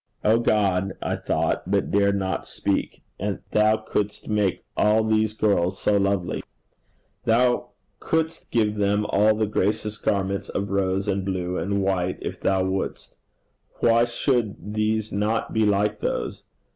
'O God!' I thought, but dared not speak, 'and thou couldst make all these girls so lovely! Thou couldst give them all the gracious garments of rose and blue and white if thou wouldst! Why should these not be like those?